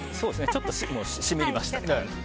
ちょっと染みりました。